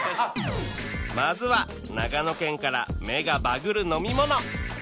まずは長野県から目がバグる飲み物